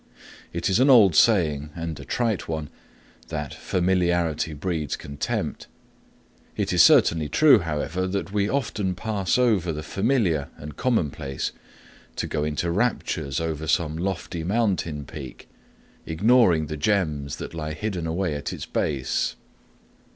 It is an old saying, and a trite one, that "Familiarity breeds contempt." It is certainly true, however, that we often pass over the familiar and commonplace to go into raptures over some lofty mountain peak, ignoring the gems that lie hidden away at its very base.